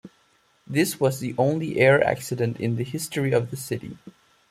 This was the only air accident in the history of the city.